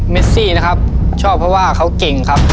เซซี่นะครับชอบเพราะว่าเขาเก่งครับ